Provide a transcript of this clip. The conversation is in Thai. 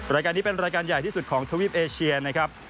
รายการนี้เป็นรายการใหญ่ที่สุดของทวีปเอเชียนะครับ